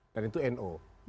dan itu no